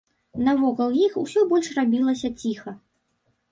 Навокал іх усё больш рабілася ціха.